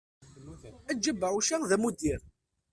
Eǧǧ abeɛɛuc-a d amuddir.